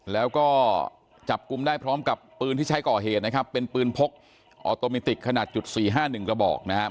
แล้วก็จับกลุ่มได้พร้อมกับปืนที่ใช้ก่อเหตุนะครับเป็นปืนพกออโตมิติกขนาดจุดสี่ห้าหนึ่งกระบอกนะครับ